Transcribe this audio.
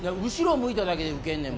向いただけでウケんねん。